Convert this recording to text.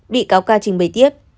bị cáo ca trình bày tiếp